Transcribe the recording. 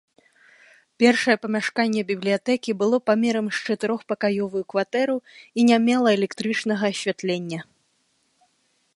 Першае памяшканне бібліятэкі было памерам з чатырохпакаёвую кватэру і не мела электрычнага асвятлення.